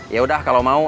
yaudah kalau mau